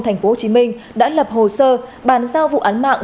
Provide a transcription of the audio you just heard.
thành phố hồ chí minh đã lập hồ sơ bàn giao vụ án mạng